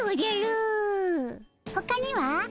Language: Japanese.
ほかには？